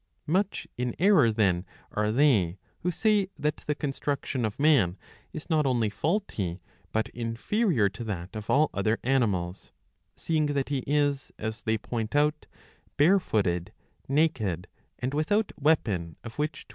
Much in error then are they, who say that the construction of man is not only faulty, but inferior to that of all other animals; seeing that he is, as they point out, barefooted, naked, and without weapon of which to.